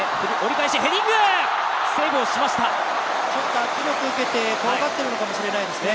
ちょっと圧力受けて怖がってるのかもしれないですね。